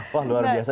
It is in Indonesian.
wah luar biasa